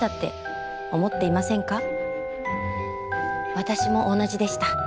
私も同じでした。